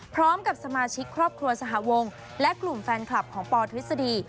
พร้อมกับสมาชิกครอบครัวสหวงและกลุ่มแฟนคลับของปทฤษฎี